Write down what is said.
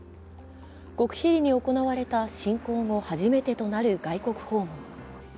極秘裏に行われた侵攻後初めてとなる外国訪問。